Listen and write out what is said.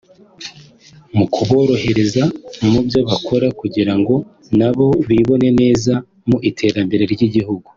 mu kuborohereza mu byo bakora kugira ngo nabo bibone neza mu iterambere ry’igihugu